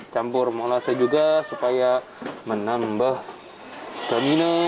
campur molase juga supaya menambah stamina